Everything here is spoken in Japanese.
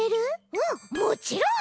うんもちろん！